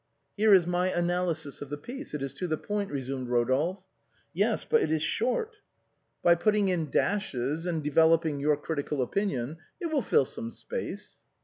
" Here is my analysis of the piece, it is to the point," resumed Rodolphe. " Yes, but it is short." " By putting in dashes and developing your critical opinion it will fill some space."